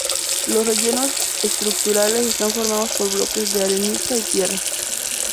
Los rellenos estructurales están formados por bloques de arenisca y tierra.